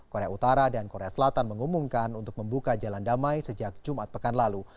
korea utara dan korea selatan mengumumkan untuk membuka jalan damai sejak jumat pekan lalu